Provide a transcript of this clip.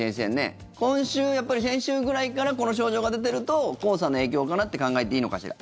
今週、先週ぐらいからこの症状が出ていると黄砂の影響かなって考えていいのかしら。